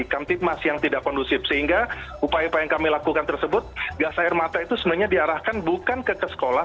kamtipmas yang tidak kondusif sehingga upaya upaya yang kami lakukan tersebut gas air mata itu sebenarnya diarahkan bukan ke sekolah